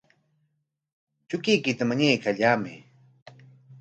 Chukuykita mañaykallamay.